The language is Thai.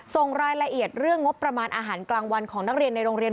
ส่งรายละเอียดเรื่องงบประมาณอาหารกลางวันของนักเรียนในโรงเรียน